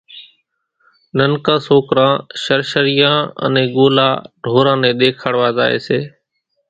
ننڪان سوڪران شرشريان انين ڳولا ڍوران نين ۮيکاڙوا زائي سي